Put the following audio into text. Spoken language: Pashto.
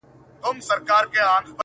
دا ځل به مخه زه د هیڅ یو توپان و نه نیسم.